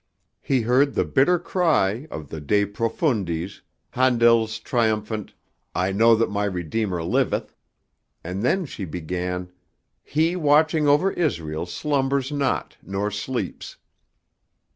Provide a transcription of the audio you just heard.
He heard the bitter cry of the De Profundis, Handel's triumphant "I know that my Redeemer liveth," and then she began, "He watching over Israel slumbers not nor sleeps."